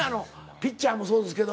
ピッチャーもそうですけど。